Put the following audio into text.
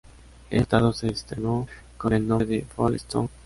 El resultado se estrenó con el nombre de "Folk Songs of the Hills".